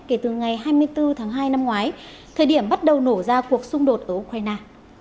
kể từ ngày hai mươi bốn tháng hai năm ngoái thời điểm bắt đầu nổ ra cuộc xung đột ở ukraine